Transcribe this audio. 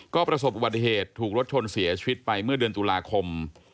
ก็ประสบอุบัติเหตุถูกรถชนเสียชีวิตไปเมื่อเดือนตุลาคม